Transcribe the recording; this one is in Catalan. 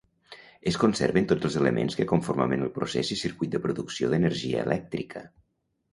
Es conserven tots els elements que conformaven el procés i circuit de producció d'energia elèctrica.